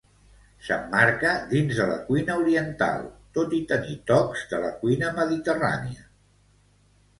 S'emmarca dins de la cuina oriental, tot i tenir tocs de la cuina mediterrània.